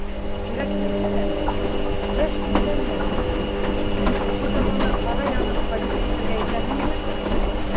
- Тирәклегә... йәш бисәң янына... ошо табалай ҡара янып ҡайтып китергә итәһеңме?!